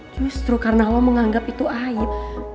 justru karena allah menganggap itu aib